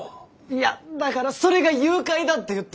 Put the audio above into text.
いやだからそれが誘拐だって言ってんの！